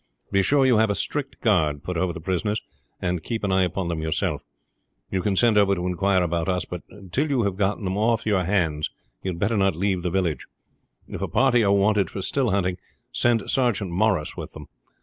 Be sure you have a strict guard put over the prisoners, and keep an eye upon them yourself. You can send over to inquire about us, but till you have got them off your hands you had better not leave the village. If a party are wanted for still hunting send Sergeant Morris with them.